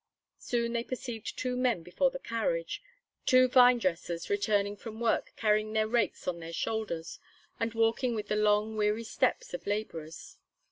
Soon they perceived two men before the carriage, two vinedressers returning from work carrying their rakes on their shoulders, and walking with the long, weary steps of laborers.